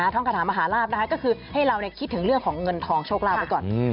ท่องคาถามหาลาบนะคะก็คือให้เราคิดถึงเรื่องของเงินทองโชคลาภไว้ก่อน